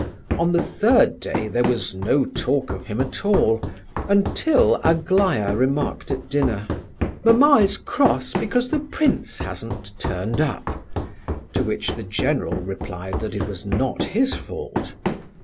On the third day there was no talk of him at all, until Aglaya remarked at dinner: "Mamma is cross because the prince hasn't turned up," to which the general replied that it was not his fault.